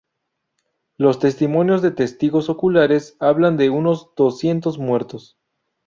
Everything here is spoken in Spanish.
Los testimonios de testigos oculares hablan de unos doscientos muertos.